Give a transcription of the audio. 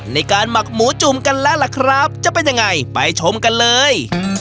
หมักหมูจุ่มกันแล้วล่ะครับจะเป็นยังไงไปชมกันเลย